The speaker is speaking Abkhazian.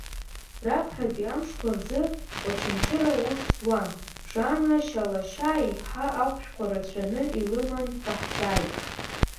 Раԥхьатәи амшқәа рзы, Очамчыра аус зуаз Жана Шьалашьаа-ԥҳа ахәшәқәа рацәаны илыман даҳзааит.